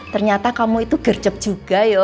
ternyata kamu itu gercep juga ya